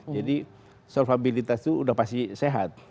jadi solvabilitas itu sudah pasti sehat